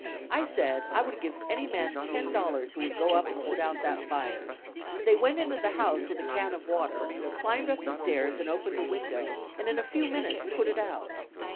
I said I would give any man ten dollars who would go up and put out that fire. They went into the house with a can of water, climbed the stairs and opened a window, and in a few minutes put it out.